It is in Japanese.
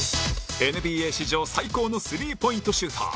ＮＢＡ 史上最高のスリーポイントシューター